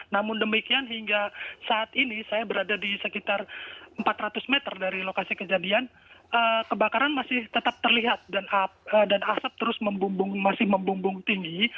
namun demikian hingga saat ini saya berada di sekitar empat ratus meter dari lokasi kejadian kebakaran masih tetap terlihat dan asap terus masih membumbung tinggi